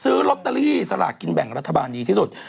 ซื้อโลตตารีสระกินแบ่งรัฐบาลดีที่สุด